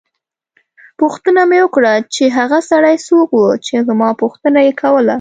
پوښتنه مې وکړه چې هغه سړی څوک وو چې زما پوښتنه یې کوله.